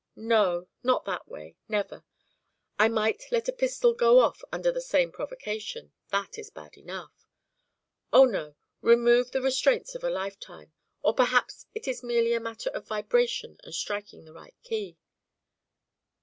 "No not that way never. I might let a pistol go off under the same provocation that is bad enough." "Oh, no. Remove the restraints of a lifetime or perhaps it is merely a matter of vibration and striking the right key."